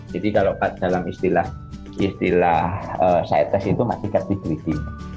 jadi kalau dalam istilah site test itu masih captive breeding